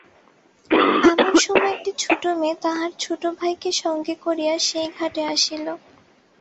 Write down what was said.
এমন সময়ে একটি ছোটো মেয়ে তাহার ছোটো ভাইকে সঙ্গে করিয়া সেই ঘাটে আসিল।